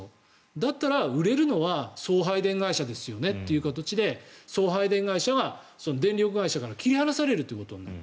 だったら売れるのは送配電会社ですよねという形で送配電会社が電力会社から切り離されることになる。